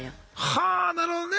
はあなるほどね！